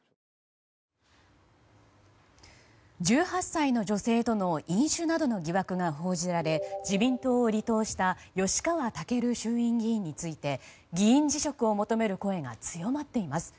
１８歳の女性との飲酒などの疑惑が報じられ自民党を離党した吉川赳衆院議員について議員辞職を求める声が強まっています。